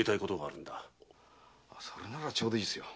それならちょうどいいですよ。